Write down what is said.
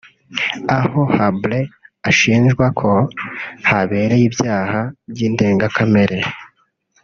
aho Habré ashinjwa ko habereye ibyaha by’indengakamere